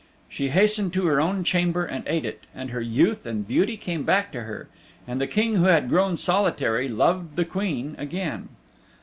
She hastened to her own chamber and ate it, and her youth and beauty came back to her, and the King who had grown solitary, loved the Queen again.